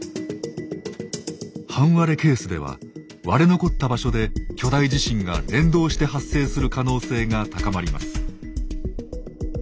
半割れケースでは割れ残った場所で巨大地震が連動して発生する可能性が高まります。